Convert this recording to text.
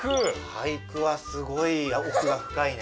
俳句はすごいおくがふかいね。